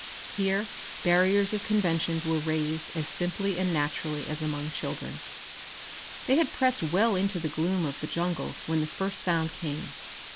Here barriers of conventions were razed as simply and naturally as among children. They had pressed well into the gloom of the jungle when the first sound came.